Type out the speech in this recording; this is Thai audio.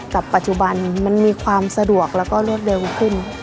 ปัจจุบันมันมีความสะดวกแล้วก็รวดเร็วขึ้น